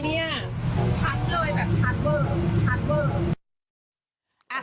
ชัดเลยแบบชัดเวอร์